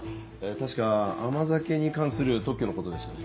確か甘酒に関する特許のことでしたね。